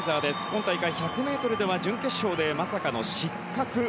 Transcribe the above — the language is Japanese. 今大会１００ｍでは準決勝でまさかの失格。